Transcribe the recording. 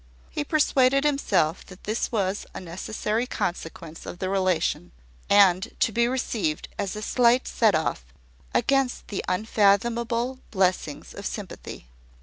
He persuaded himself that this was a necessary consequence of the relation, and to be received as a slight set off against the unfathomable blessings of sympathy.